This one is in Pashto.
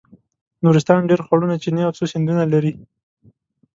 نورستان ډېر خوړونه چینې او څو سیندونه لري.